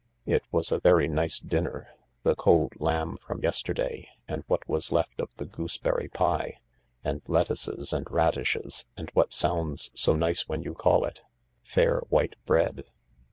It was a very nice dinner — the cold lamb from yesterday, and what was left of the gooseberry pie, and lettuces and radishes, and what sounds so nice when you call it (fair white bread).